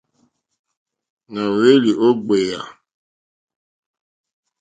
Nà hwélì ó ɡbèyà.